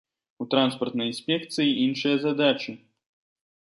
У транспартнай інспекцыі іншыя задачы.